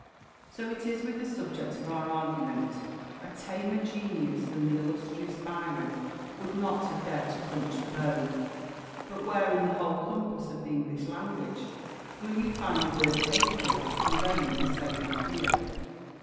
So it is with the subject of our argument: a tamer genius than the illustrious Byron would not have dared to 'crunch' the bone. But where, in the whole compass of the English language, will you find a word capable of conveying the same idea?"